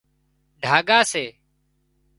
ڍاڳا سي